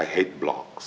saya benci blog